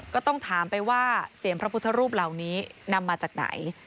ก็ต้องถามไปว่าเสียงพระพุทธรูปเหล่านี้นำมาจากไหน